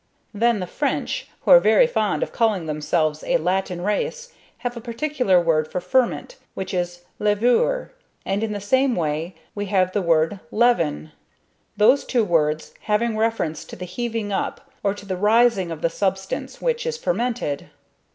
Then the French, who are very fond of calling themselves a Latin race, have a particular word for ferment, which is 'levure'. And, in the same way, we have the word "leaven," those two words having reference to the heaving up, or to the raising of the substance which is fermented.